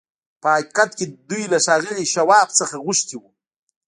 په حقيقت کې دوی له ښاغلي شواب څخه غوښتي وو.